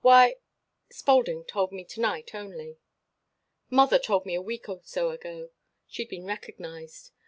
"Why " "Spaulding told me to night only." "Mother told me a week or so ago. She'd been recognized.